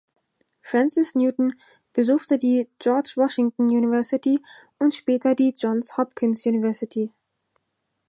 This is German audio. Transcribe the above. Francis Newton besuchte die George Washington University und später die Johns Hopkins University.